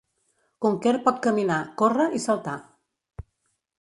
Conker pot caminar, córrer i saltar.